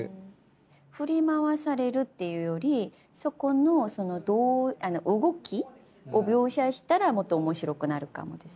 「振り回される」っていうよりそこのその動きを描写したらもっと面白くなるかもです。